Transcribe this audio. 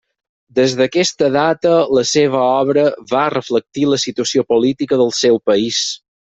Des d'aquesta data, la seva obra va reflectir la situació política del seu país.